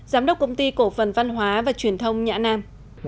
giám đốc công ty cổ phần văn hóa và truyền thông nhã nam